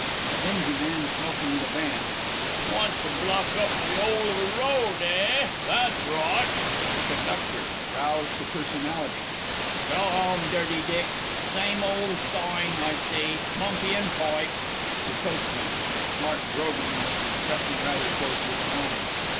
A DINGY MAN SMOKING, IN A VAN. Want to block up the ole o' the road, eh? That's right! THE CONDUCTOR (roused to personality). Go 'ome, Dirty Dick! syme old soign, I see, "Monkey an' Poipe!" (_To Coachman of smart brougham which is pressing rather closely behind.